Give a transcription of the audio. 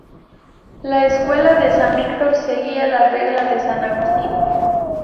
La escuela de San Víctor seguía la regla de San Agustín.